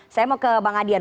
saya mau ke bang adian